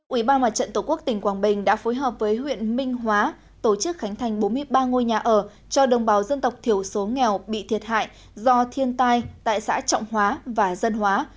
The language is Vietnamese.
ủy ban mặt trận tổ quốc tỉnh quảng bình đã phối hợp với huyện minh hóa tổ chức khánh thành bốn mươi ba ngôi nhà ở cho đồng bào dân tộc thiểu số nghèo bị thiệt hại do thiên tai tại xã trọng hóa và dân hóa